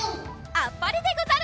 あっぱれでござる！